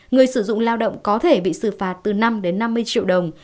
người sử dụng lao động có thể bị xử phạt từ năm đến năm mươi triệu đồng